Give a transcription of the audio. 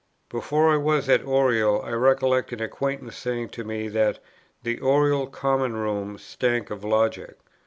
Before I was at Oriel, I recollect an acquaintance saying to me that "the Oriel Common Room stank of Logic."